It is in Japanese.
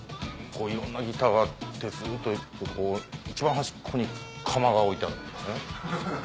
いろんなギターがあってずっと行くと一番端っこに鎌が置いてあるんですね。